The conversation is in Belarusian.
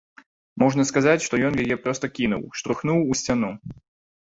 Можна сказаць, што ён яе проста кінуў, штурхнуў у сцяну.